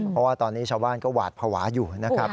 เพราะว่าตอนนี้ชาวบ้านก็หวาดภาวะอยู่นะครับ